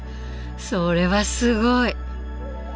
それはすごい！